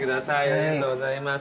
ありがとうございます。